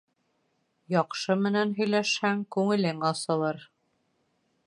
Яҡшы менән һөйләшһәң, күңелең асылыр.